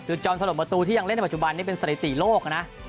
คือจอมถล่มประตูที่ยังเล่นในปัจจุบันนี้เป็นสถิติโลกนะ